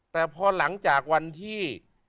แต่พอหลังจากวันที่